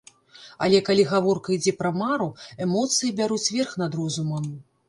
Але калі гаворка ідзе пра мару, эмоцыі бяруць верх над розумам.